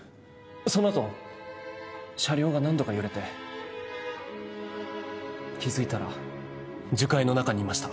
そのあと車両が何度か揺れて気づいたら樹海の中にいました